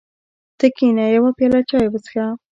ته کېنه یوه پیاله چای وڅښه.